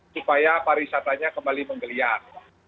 supaya pariwisatanya kembali menggeliar